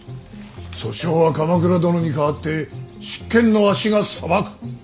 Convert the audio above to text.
訴訟は鎌倉殿に代わって執権のわしが裁く。